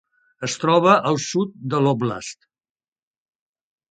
Es troba al sud de l'óblast.